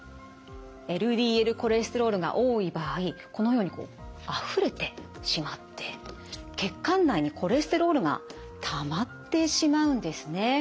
ＬＤＬコレステロールが多い場合このようにあふれてしまって血管内にコレステロールがたまってしまうんですね。